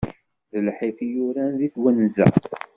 D lḥif i yuran di twenza.